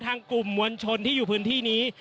กลุ่มมวลชนที่อยู่พื้นที่นี้